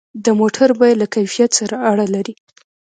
د موټر بیه له کیفیت سره اړه لري.